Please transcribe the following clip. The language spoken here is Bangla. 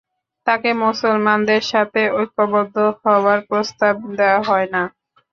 তাকে মুসলমানদের সাথে ঐক্যবদ্ধ হওয়ার প্রস্তাব দেয়া হয় না।